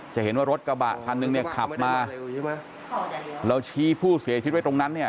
จะเห็นว่ารถกระบะพันธุ์หนึ่งขับมาเราชี้ผู้เสียชิดไว้ตรงนั้นเนี่ย